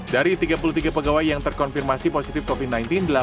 dari tiga puluh tiga pegawai yang terkonfirmasi positif covid sembilan belas